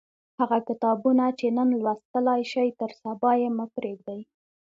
هغه کتابونه چې نن لوستلای شئ تر سبا یې مه پریږدئ.